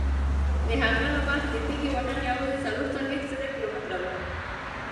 هغه وخت د تېږې واټن یوازې څلور څلوېښت زره کیلومتره و.